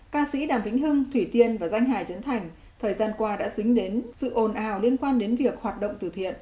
ca sĩ đàm vĩnh hưng thủy tiên và danh hải trấn thành thời gian qua đã dính đến sự ồn ào liên quan đến việc hoạt động từ thiện